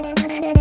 kau mau kemana